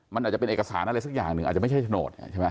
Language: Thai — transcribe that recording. มันอาจจะเป็นเอกสารอะไรสักอย่างอาจจะไม่ใช่โฉนด